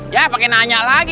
ya pakai nanya lagi